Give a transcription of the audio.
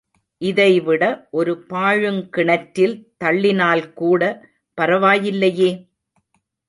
இதைவிட ஒரு பாழுங்கிணற்றில் தள்ளினால்கூட பரவாயில்லையே?